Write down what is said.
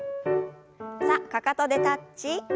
さあかかとでタッチ。